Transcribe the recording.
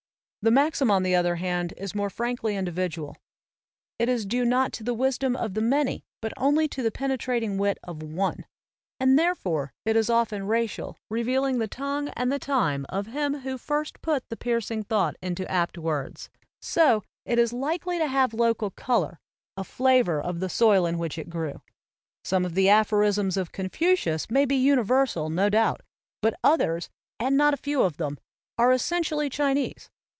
The maxim, on the other hand, is more frankly individual; it is due not to the wisdom of the many but only to the penetrating wit of one; and therefore it is often racial, revealing the tongue and the time of him who first put the piercing thought into apt words. So it is likely to have local color, a flavor of the soil in which it grew. Some of the aphorisms of Confucius may be universal, no doubt, but others and not a few of them, are essentially Chinese.